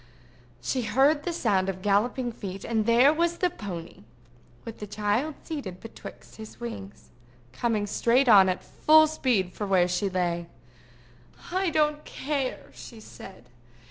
She heard the sound of galloping feet, and there was the pony, with the child seated betwixt his wings, coming straight on at full speed for where she lay. "I don't care," she said.